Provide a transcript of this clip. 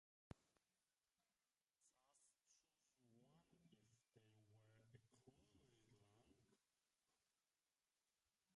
Just choose one if they were equally long.